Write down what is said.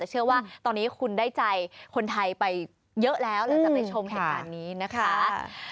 เชื่อว่าตอนนี้คุณได้ใจคนไทยไปเยอะแล้วหลังจากไปชมเหตุการณ์นี้นะคะ